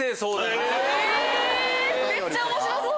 めっちゃ面白そう！